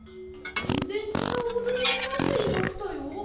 ぜんぜんちがうおどりになっていましたよ。